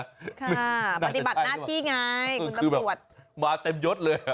ปฏิบัติหน้าที่ไงคุณตำรวจมาเต็มยดเลย